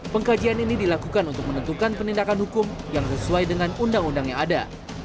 pengkajian ini dilakukan untuk menentukan penindakan hukum yang sesuai dengan undang undang yang ada